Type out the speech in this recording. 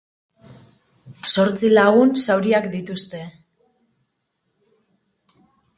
Zortzi lagun zauriak dituzte.